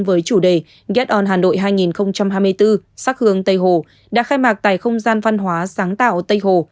với chủ đề get on hà nội hai nghìn hai mươi bốn sắc hướng tây hồ đã khai mạc tại không gian văn hóa sáng tạo tây hồ